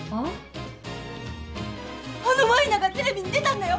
あの舞菜がテレビに出たんだよ